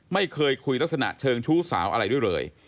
ไม่เคยคุยลักษณะเชิงชู้สาวอะไรด้วยเลย